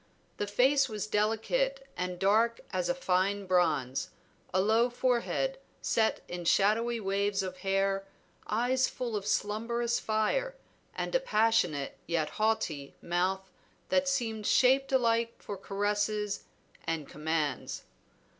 The face was delicate and dark as a fine bronze, a low forehead set in shadowy waves of hair, eyes full of slumberous fire, and a passionate yet haughty mouth that seemed shaped alike for caresses and commands.